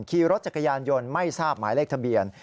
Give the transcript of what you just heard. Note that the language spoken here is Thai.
ขี่รถจักรยานยนต์ไม่ทราบหมายเลขทะเบียน